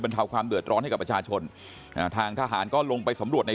เทาความเดือดร้อนให้กับประชาชนอ่าทางทหารก็ลงไปสำรวจใน